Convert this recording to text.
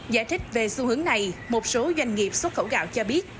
giải thích về xu hướng này một số doanh nghiệp xuất khẩu gạo cho biết